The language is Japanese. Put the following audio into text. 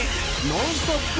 ノンストップ！